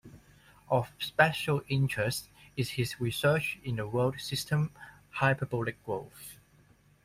Of special interest is his research in the World System hyperbolic growth.